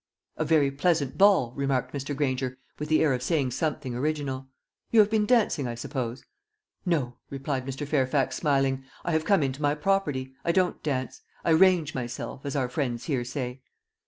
"A very pleasant ball," remarked Mr. Granger, with the air of saying something original. "You have been dancing, I suppose?" "No," replied Mr. Fairfax, smiling; "I have come into my property. I don't dance. 'I range myself,' as our friends here say."